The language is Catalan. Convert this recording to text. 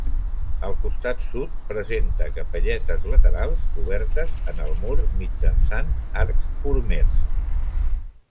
Al costat sud, presenta capelletes laterals obertes en el mur mitjançant arcs formers.